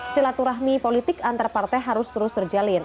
silaturahmi politik antar partai harus terus terjalin